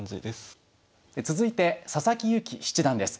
続いて佐々木勇気七段です。